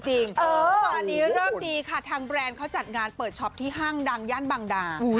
เมื่อวานนี้เริ่มดีค่ะทางแบรนด์เขาจัดงานเปิดช็อปที่ห้างดังย่านบางดา